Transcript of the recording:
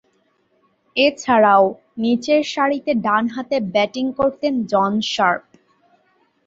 এছাড়াও, নিচেরসারিতে ডানহাতে ব্যাটিং করতেন জন শার্প।